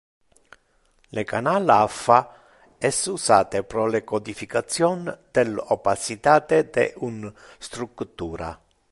Le canal alpha es usate pro le codification del opacitate de un structura.